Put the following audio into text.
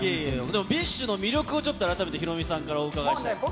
でも、ＢｉＳＨの魅力をちょっと改めて、ヒロミさんからお伺いしたいと。